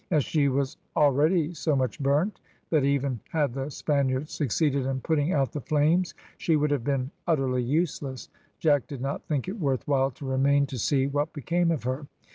As she was already so much burnt, that even had the Spaniards succeeded in putting out the flames she would have been utterly useless, Jack did not think it worth while to remain to see what became of her.